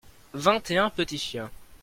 vingt et un petits chiens.